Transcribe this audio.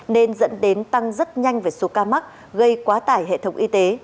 nên dẫn đến tăng rất nhanh về số ca mắc gây quá tải hệ thống y tế